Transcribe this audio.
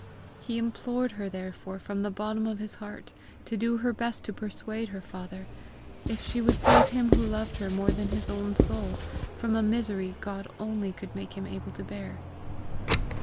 He implored her therefore from the bottom of his heart to do her best to persuade her father if she would save him who loved her more than his own soul, from a misery God only could make him able to bear.